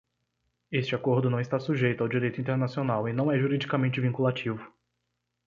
Este acordo não está sujeito ao direito internacional e não é juridicamente vinculativo.